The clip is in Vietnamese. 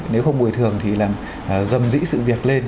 nếu không bồi thường thì là dầm dĩ sự việc lên